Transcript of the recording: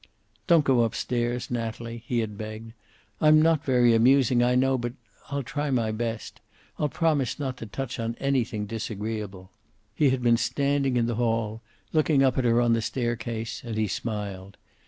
"Don't go up stairs, Natalie," he had begged. "I am not very amusing, I know, but I'll try my best. I'll promise not to touch on anything disagreeable." He had been standing in the hail, looking up at her on the stair case, and he smiled.